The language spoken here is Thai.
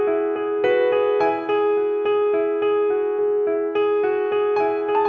เชิญรักเธอจึงยอมให้เธอไปแต่ง